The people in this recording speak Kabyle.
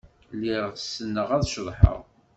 Lliɣ ssneɣ ad ceḍḥeɣ.